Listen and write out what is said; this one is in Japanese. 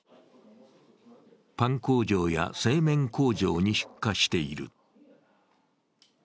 パン工場や製麺工場に出荷している。